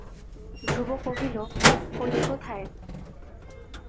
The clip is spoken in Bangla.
ধ্রুব কহিল, হয়ি কোথায়?